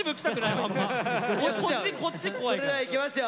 それではいきますよ